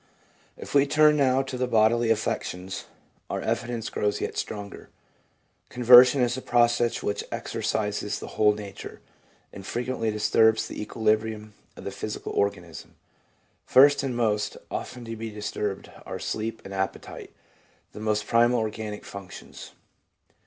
If we turn now to the bodily affections, our evidence grows yet stronger. Conversion is a process which exercises the whole nature, and frequently disturbs the equilibrium of the physical organism. First and most often to be disturbed are sleep and appetite, the most primal organic functions.